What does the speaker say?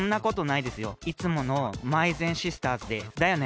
いつものまいぜんシスターズです。だよね？